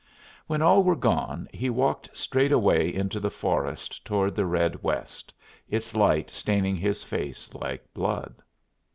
When all were gone he walked straight away into the forest toward the red west, its light staining his face like blood.